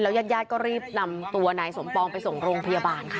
ญาติญาติก็รีบนำตัวนายสมปองไปส่งโรงพยาบาลค่ะ